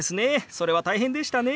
それは大変でしたね。